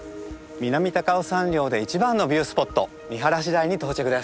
南高尾山稜で一番のビュースポット見晴らし台に到着です。